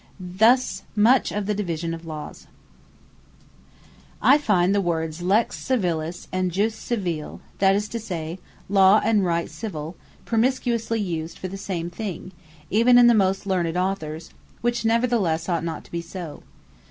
Thus much of the Division of Lawes. Difference Between Law And Right I find the words Lex Civilis, and Jus Civile, that is to say, Law and Right Civil, promiscuously used for the same thing, even in the most learned Authors; which neverthelesse ought not to be so.